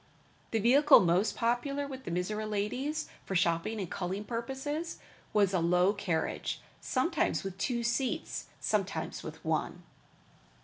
The vehicle most popular with the Mizora ladies for shopping and culling purposes, was a very low carriage, sometimes with two seats, sometimes with one.